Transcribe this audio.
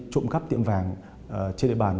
trộm cắp tiệm vàng trên địa bàn